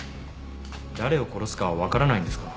誰を殺すかは分からないんですか？